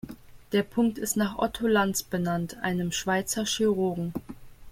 Der Punkt ist nach Otto Lanz benannt, einem Schweizer Chirurgen.